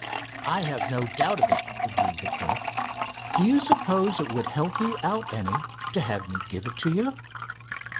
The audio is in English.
"I have no doubt of it," agreed the clerk. "Do you suppose it would help you out any to have me give it to you?"